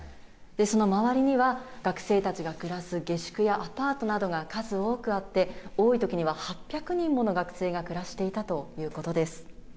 その周りには学生たちが暮らす下宿やアパートなどが数多くあって、多いときには８００人もの学生が暮らしていたということです。